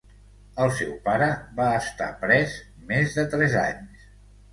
El seu pare va estar pres més de tres anys.